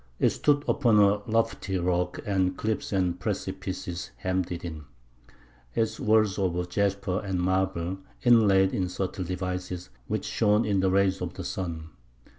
It stood upon a lofty rock, and cliffs and precipices hemmed it in. Its walls were of jasper and marble, inlaid in subtle devices, which shone in the rays of the sun.